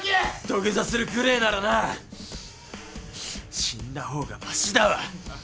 土下座するくれえならな死んだ方がましだわ！